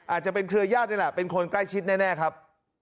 อาจจะเป็นเครือญาตินี่แหละเป็นคนใกล้ชิดแน่ครับ